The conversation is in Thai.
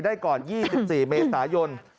ได้ก่อน๒๔เมษายน